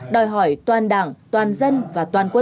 đòi hỏi toàn đảng toàn dân và toàn quốc